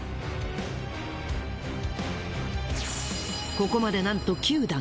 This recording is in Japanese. ここまでなんと９段。